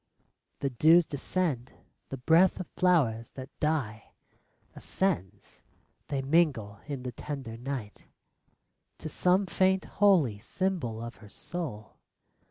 The dews descend. The breath of flowers that die Ascends. They mingle in the tender night To some faint, holy symbol of her soul.